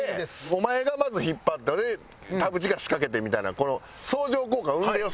お前がまず引っ張ったり田渕が仕掛けてみたいな相乗効果生んでよ